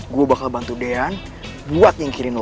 gua bakal bantu deyan buat nyingkirin lo